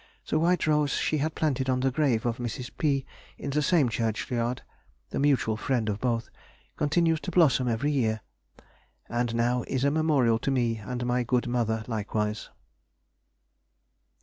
The white rose she had planted on the grave of Mrs. P. (?) in the same churchyard (the mutual friend of both) continues to blossom every year, and now is a memorial to me and my good mother likewise."